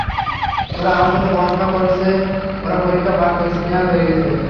ওরা আমার সাথে পড়াশোনা করেছে, ওরা পরীক্ষায় পাস করে সিনিয়র হয়ে গেছে।